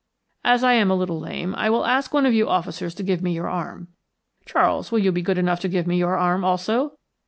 As I am a little lame, I will ask one of you officers to give me your arm. Charles, will you be good enough to give me your arm also?